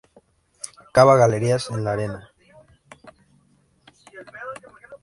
Cava galerías en la arena.